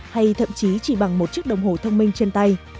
hay thậm chí chỉ bằng một chiếc đồng hồ thông minh trên tay